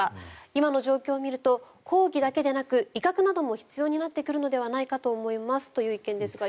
今の状況を見ると講義だけでなく威嚇なども必要になってくると思いますという意見ですが。